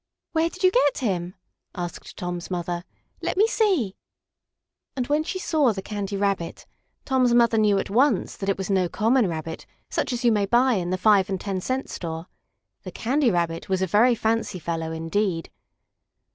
"Where did you get him?" asked Tom's mother. "Let me see." And when she saw the Candy Rabbit Tom's mother knew at once that it was no common Rabbit, such as you may buy in the five and ten cent store. The Candy Rabbit was a very fancy fellow indeed!